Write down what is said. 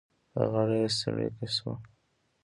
په غاړه یې څړيکه شوه.